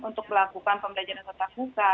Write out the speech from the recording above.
untuk melakukan pembelajaran tetap muka